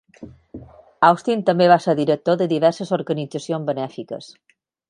Austin també va ser director de diverses organitzacions benèfiques.